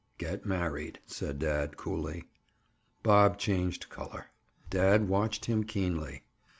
"Get married," said dad coolly. Bob changed color. Dad watched him keenly.